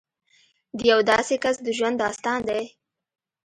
د یو داسې کس د ژوند داستان دی